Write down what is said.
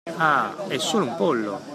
Ah è solo un pollo.